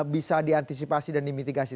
bisa diantisipasi dan dimitigasi